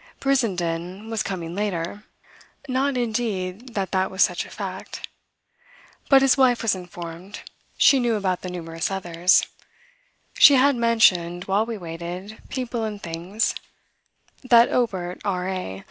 Brissenden was coming later not, indeed, that that was such a fact. But his wife was informed she knew about the numerous others; she had mentioned, while we waited, people and things: that Obert, R.A.